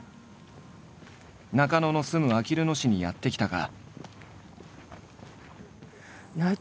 中野の住むあきる野市にやって来たが。